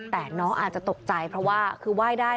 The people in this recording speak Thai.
แต่น้องอาจจะตกใจเพราะว่าคือไหว้ได้